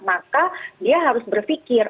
maka dia harus berpikir